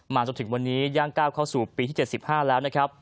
มาจนถึงวันนี้ย่างก้าวเข้าสู่ปีที่เจ็ดสิบห้าแล้วนะครับ